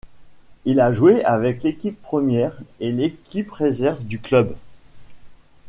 Il a joué avec l'équipe première et l'équipe réserve du club.